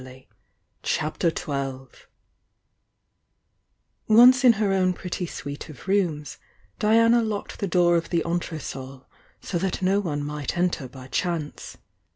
iiil CHAPTER XII Once in her own pretty suite of rooms, Diana locked the door of the entresol, so that no one might enter by chance.